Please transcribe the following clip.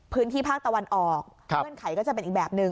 พื้นที่ภาคตะวันออกเงื่อนไขก็จะเป็นอีกแบบหนึ่ง